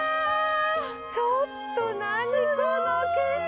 ちょっと何この景色！